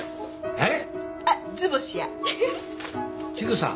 えっ？